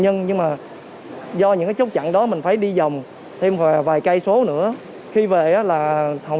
nhân nhưng mà do những cái chốt chặn đó mình phải đi vòng thêm vài cây số nữa khi về là hầu